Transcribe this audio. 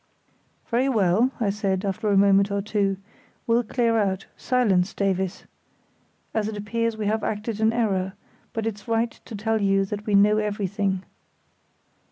"Very well," I said, after a moment or two, "we'll clear out—silence, Davies!—as it appears we have acted in error; but it's right to tell you that we know everything."